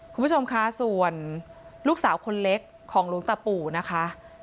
คุณผู้ชมคะส่วนลูกสาวคนเล็กของหลวงตาปู่นะคะ